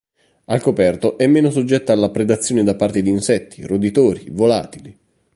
Al coperto è meno soggetta alla predazione da parte di insetti, roditori, volatili.